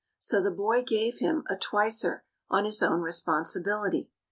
So the boy gave him "a twicer" on his own responsibility.